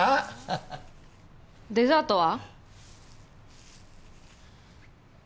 デザートは？